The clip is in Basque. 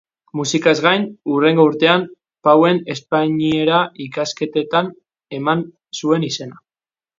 Musikaz gain, hurrengo urtean Pauen espainiera ikasketetan eman zuen izena.